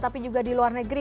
tapi juga di luar negeri